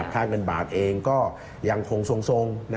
ค่าเงินบาทเองก็ยังคงทรง